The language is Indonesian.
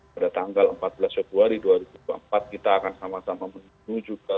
pada tanggal empat belas februari dua ribu dua puluh empat kita akan sama sama menuju ke